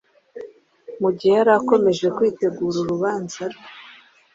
Mu gihe yari akomeje kwitegura urubanza rwe